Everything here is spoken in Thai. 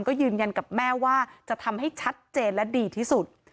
ก็ยืนยันกับแม่ว่าจะทำให้ชัดเจนและดีที่สุด